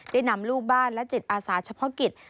ได้นำลูกบ้านและจิตอาสาเฉพาะกิจ